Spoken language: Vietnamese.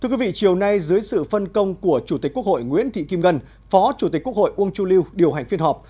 thưa quý vị chiều nay dưới sự phân công của chủ tịch quốc hội nguyễn thị kim ngân phó chủ tịch quốc hội uông chu lưu điều hành phiên họp